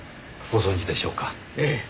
ええ。